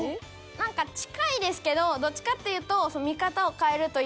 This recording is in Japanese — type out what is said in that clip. なんか近いですけどどっちかっていうと。